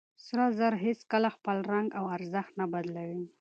سره زر هيڅکله خپل رنګ او ارزښت نه بدلوي.